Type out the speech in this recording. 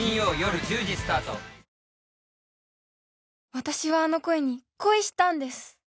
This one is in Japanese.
私はあの声に恋したんです